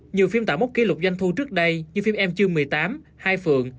nhiều phim tạo mốc kỷ lục doanh thu trước đây như phim em chưa một mươi tám hai phượng